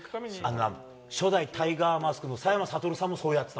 初代タイガーマスクのさやまさとるさんもそうやってた。